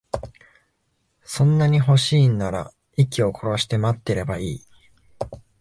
そんなに欲しいんなら、息を殺して待ってればいい。